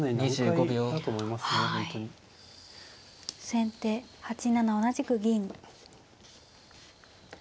先手８七同じく銀。